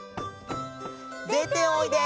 でておいで！